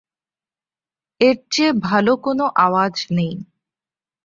এর চেয়ে ভালো কোনো আওয়াজ নেই।